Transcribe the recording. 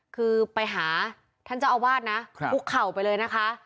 คือไปหาท่านเจ้าอาวาสนะคุกเข่าไปเลยนะคะ